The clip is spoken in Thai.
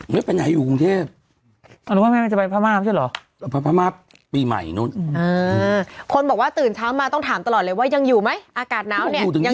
เสื้อสองชั้นปกติจะใส่แบบชั้นเดียว